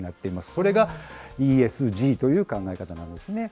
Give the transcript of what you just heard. それがＥＳＧという考え方なんですね。